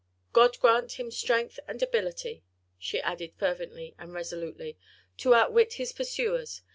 God grant him strength and ability," she added fervently and resolutely, "to outwit his pursuers.